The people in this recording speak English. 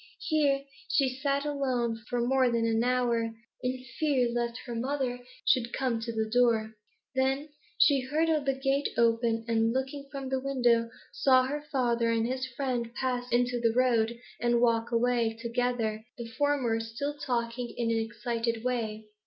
Here she sat alone for more than an hour, in fear lest her mother should come to the door. Then she heard the gate open, and, looking from the window, saw her father and his friend pass into the road and walk away together, the former still talking in an excited way.